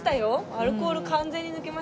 アルコール完全に抜けました。